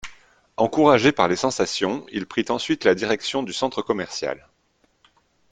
Encouragé par les sensations, il prit ensuite la direction du centre commercial.